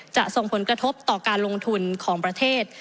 ส่งผลกระทบต่อการลงทุนของประเทศ